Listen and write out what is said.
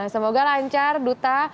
semoga lancar duta